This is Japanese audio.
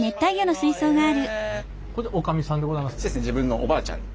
自分のおばあちゃんに。